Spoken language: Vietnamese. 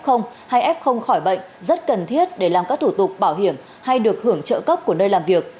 khỏi bệnh rất cần thiết để làm các thủ tục bảo hiểm hay được hưởng trợ cấp của nơi làm việc